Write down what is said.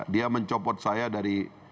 dia mencopot saya dari